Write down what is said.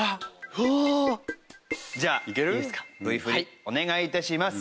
じゃあＶ振りお願い致します。